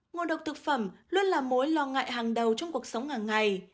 ngộ độc thực phẩm luôn là mối lo ngại hàng đầu trong cuộc sống hàng ngày